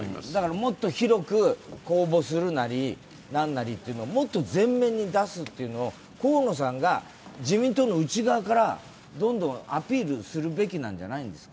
もっと広く公募するなり何なりというのをもっと前面に出すというのを河野さんが自民党の内側から、どんどんアピールするべきなんじゃないですか？